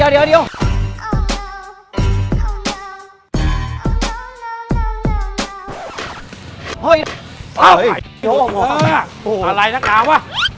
เดี๋ยวเดี๋ยวเดี๋ยว